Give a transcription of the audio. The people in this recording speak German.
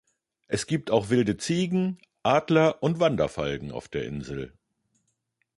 Es gibt auch wilde Ziegen, Adler und Wanderfalken auf der Insel.